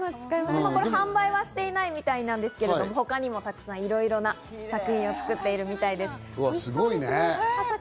販売はしていないみたいなんですけど、他にもたくさんいろいろなものを作ってるみたいです。